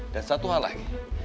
dan satu hal lagi